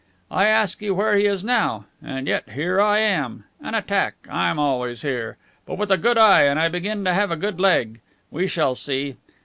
I ask you where he is now. And yet here I am! An attack! I'm always here! But with a good eye; and I begin to have a good leg. We shall see.